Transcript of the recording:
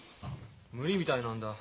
無理みたいなんだ。